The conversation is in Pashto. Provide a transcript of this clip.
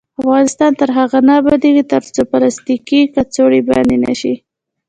افغانستان تر هغو نه ابادیږي، ترڅو پلاستیکي کڅوړې بندې نشي.